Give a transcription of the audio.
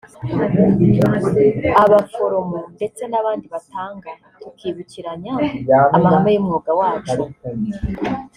abaforomo ndetse n’abandi batanga tukibukiranya amahame y’umwuga wacu